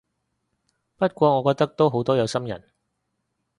不過我覺得都好多有心人